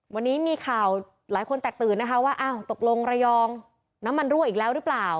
วันนี้มีข่าวหลายคนแตกตื่นนะคะว่าอ้าวตกลงระยองน้ำมันรั่วอีกแล้วหรือเปล่า